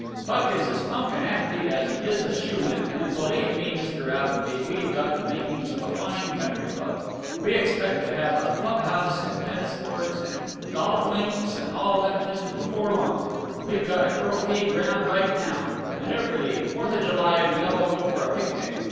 Buck is as punk an athlete as he is a shoeman, and, believe me, Mr. Appleby, we've got the makings of a fine country club. We expect to have a club house and tennis courts and golluf links and all them things before long. We got a croquet ground right now! And every Fourthajuly we all go for a picnic.